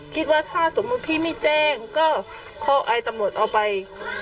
คิดว่าถ้าสมมุติพี่ไม่แจ้งก็ข้ออายตำรวจเอาไป